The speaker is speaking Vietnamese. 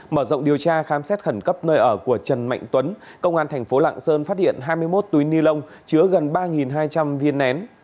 mở rộng điều tra khám xét khẩn cấp nơi ở của trần mạnh tuấn công an thành phố lạng sơn phát hiện hai mươi một túi ni lông chứa gần ba hai trăm linh viên nén